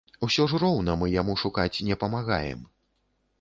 Усё ж роўна мы яму шукаць не памагаем.